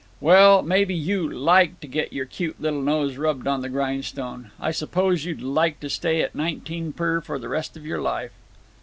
"Well, maybe you like to get your cute little nose rubbed on the grindstone! I suppose you'd like to stay on at nineteen per for the rest of your life."